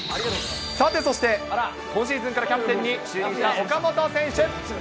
さてそして、今シーズンからキャプテンに就任した岡本選手。